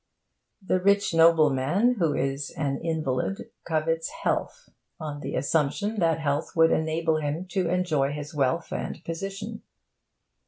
The rich nobleman who is an invalid covets health, on the assumption that health would enable him to enjoy his wealth and position.